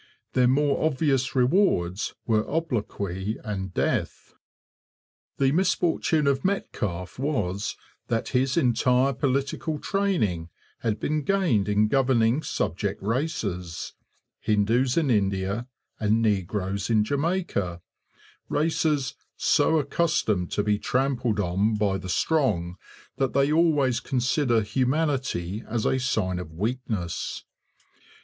Their more obvious rewards were obloquy and death. [Illustration: Sir Charles Metcalfe. After a painting by Bradish] The misfortune of Metcalfe was that his entire political training had been gained in governing subject races, Hindus in India and negroes in Jamaica, races 'so accustomed to be trampled on by the strong that they always consider humanity as a sign of weakness.'